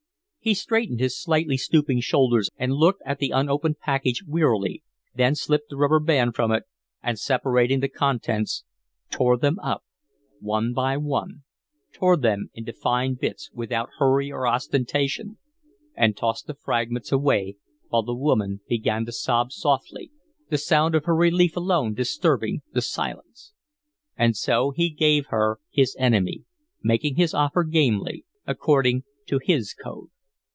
He straightened his slightly stooping shoulders and looked at the unopened package wearily, then slipped the rubber band from it, and, separating the contents, tore them up one by one tore them into fine bits without hurry or ostentation, and tossed the fragments away, while the woman began to sob softly, the sound of her relief alone disturbing the silence. And so he gave her his enemy, making his offer gamely, according to his code.